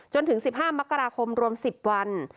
จนถึง๑๕มกราคมรวม๑๐วัน